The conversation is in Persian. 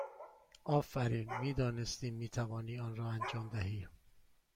آفرین! می دانستیم می توانی آن را انجام دهی!